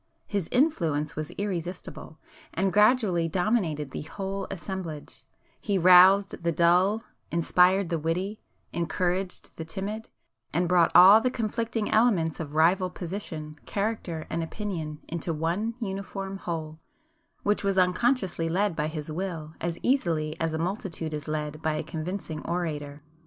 His influence was irresistible, and gradually dominated the whole assemblage,—he roused the dull, inspired the witty, encouraged the timid, and brought all the conflicting elements of rival position, character and opinion into one uniform whole, which was unconsciously led by his will as easily as a multitude is led by a convincing orator.